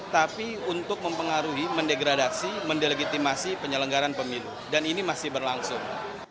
tapi untuk mempengaruhi mendegradasi mendelegitimasi penyelenggaran pemilu dan ini masih berlangsung